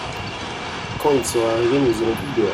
Quand il sera arrivé nous irons tous dehors.